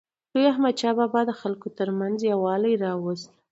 لوی احمدشاه بابا د خلکو ترمنځ یووالی راوست.